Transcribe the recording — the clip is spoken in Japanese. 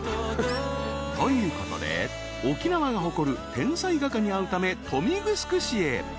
［ということで沖縄が誇る天才画家に会うため豊見城市へ］